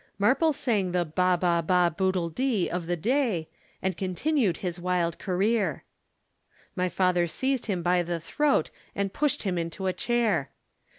"'Marple sang the "Ba, ba, ba, boodle dee" of the day, and continued his wild career. "'My father seized him by the throat and pushed him into a chair.